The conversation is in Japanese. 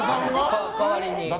代わりに。